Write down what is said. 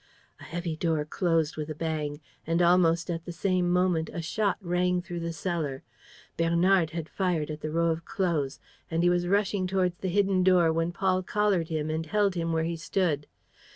A heavy door closed with a bang and, almost at the same moment, a shot rang through the cellar. Bernard had fired at the row of clothes. And he was rushing towards the hidden door when Paul collared him and held him where he stood.